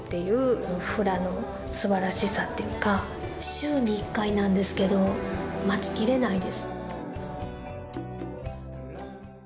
週に１回なんですけど待ちきれないです。